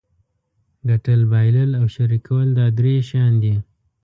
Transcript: ګټل بایلل او شریکول دا درې شیان دي.